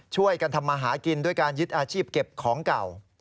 ช่วยกันทำมาหากินด้วยการยึดอาชีพเก็บของเก่า